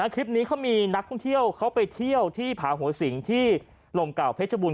คลิปนี้เขามีนักท่องเที่ยวเขาไปเที่ยวที่ผาหัวสิงที่ลมเก่าเพชรบูร